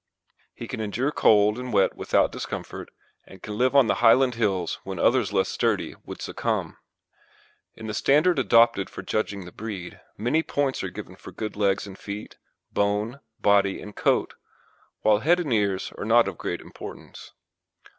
He can endure cold and wet without discomfort, and can live on the Highland hills when others less sturdy would succumb. In the standard adopted for judging the breed, many points are given for good legs and feet, bone, body, and coat, while head and ears are not of great importance.